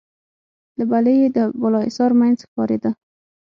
له بلې يې د بالاحصار مينځ ښکارېده.